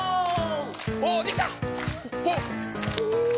おおできた！